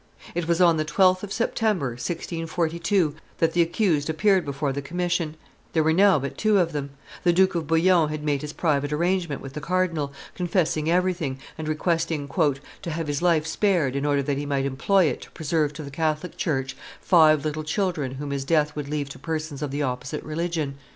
It was on the 12th of September, 1642, that the accused appeared before the commission; there were now but two of them; the Duke of Bouillon had made his private arrangement with the cardinal, confessing everything, and requesting "to have his life spared in order that he might employ it to preserve to the Catholic church five little children whom his death would leave to persons of the opposite religion."